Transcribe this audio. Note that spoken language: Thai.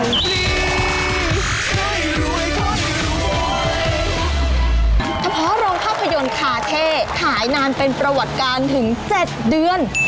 เฉพาะโรงภาพยนตร์คาเท่ขายนานเป็นประวัติการถึง๗เดือน